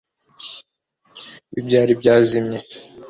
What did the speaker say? w’ibyari byazimiye;